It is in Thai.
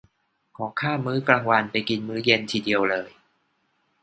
ขอข้ามมื้อกลางวันไปกินมื้อเย็นทีเดียวเลย